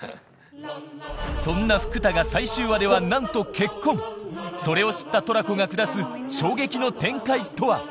そんな福多が最終話ではなんと結婚⁉それを知ったトラコが下す衝撃の展開とは？